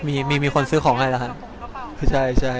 มีคนซื้อของให้แล้วฮะ